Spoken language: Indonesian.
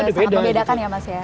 sangat membedakan ya mas ya